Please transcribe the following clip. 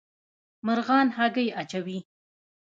مرغان هګۍ اچوي